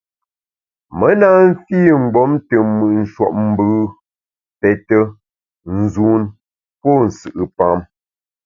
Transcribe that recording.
Me na mfi mgbom te mùt nshuopmbù, pète, nzun pô nsù’pam.